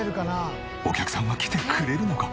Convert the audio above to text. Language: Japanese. お客さんは来てくれるのか？